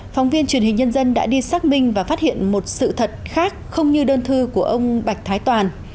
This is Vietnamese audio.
phóng viên truyền hình nhân dân đã đi xác minh và phát hiện một sự thật khác không như đơn thư của ông bạch thái toàn